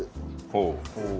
ほう。